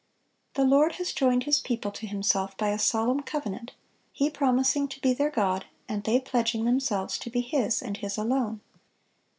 The Lord has joined His people to Himself by a solemn covenant, He promising to be their God, and they pledging themselves to be His, and His alone.